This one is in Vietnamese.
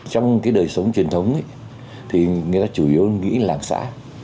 trong cái đời sống truyền thống thì người ta chủ yếu nghĩ là làng xã